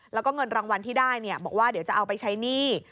แล้วก็เงินรางวัลที่ได้บอกว่าเดี๋ยวจะเอาไปใช้หนี้